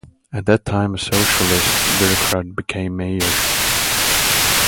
At that time a socialist bureaucrat became mayor.